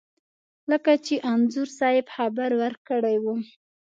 لکه چې انځور صاحب خبر ورکړی و.